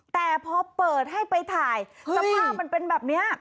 แต่พอเปิดให้ไปถ่ายสภาพมันเป็นแบบนี้